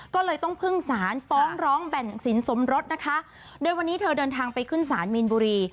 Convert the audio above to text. ก็เลยต้องพึ่งสารฟ้องร้องแบ่งสินสมรสนะคะโดยวันนี้เธอเดินทางไปขึ้นศาลมีนบุรี